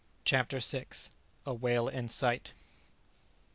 CHAPTER VI. A WHALE IN SIGHT.